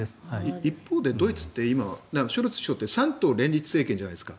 一方でドイツのショルツ首相って３党連立政権じゃないですか。